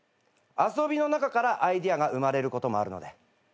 遊びの中からアイデアが生まれることもあるので。